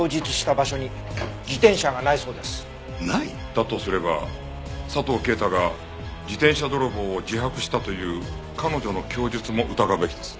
だとすれば佐藤啓太が自転車泥棒を自白したという彼女の供述も疑うべきです。